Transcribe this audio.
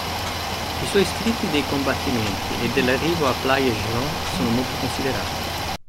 I suoi scritti dei combattimenti e dell'arrivo a Playa Girón sono molto considerati.